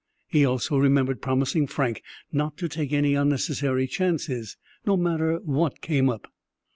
He also remembered promising Frank not to take any unnecessary chances, no matter what came up.